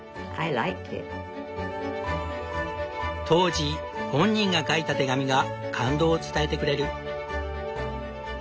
当時本人が書いた手紙が感動を伝えてくれる。